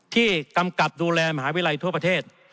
กำกับดูแลมหาวิทยาลัยทั่วประเทศ